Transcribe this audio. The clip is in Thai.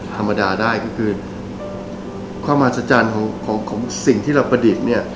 ธรรมดาได้ก็คือความอัศจรรย์ของสิ่งที่เราประดิษฐ์เนี่ย